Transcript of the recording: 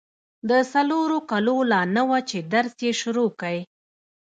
د څلورو کالو لا نه وه چي درس يې شروع کی.